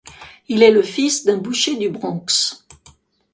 Il est le fils d'un boucher du Bronx.